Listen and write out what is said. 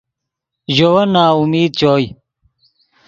ژے ون ناامید چوئے